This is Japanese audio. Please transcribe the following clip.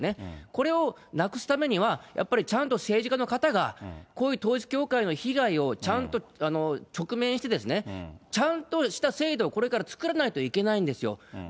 これをなくすためには、やっぱりちゃんと政治家の方が、こういう統一教会の被害をちゃんと直面して、ちゃんとした制度をこれから作らないといけないんですよ。